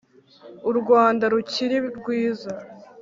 u rwanda rukiri rwiza